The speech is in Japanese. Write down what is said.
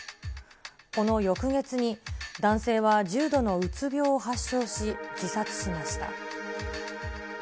この翌月に、男性は重度のうつ病を発症し、自殺しました。